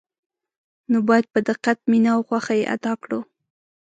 نو باید په دقت، مینه او خوښه یې ادا کړو.